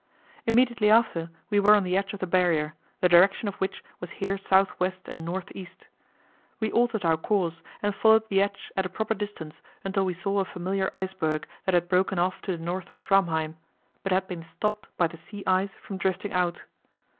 Immediately after we were on the edge of the Barrier, the direction of which was here south west and north east. We altered our course and followed the edge at a proper distance until we saw a familiar iceberg that had broken off to the north of Framheim, but had been stopped by the sea ice from drifting out.